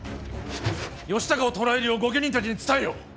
義高を捕らえるよう御家人たちに伝えよ。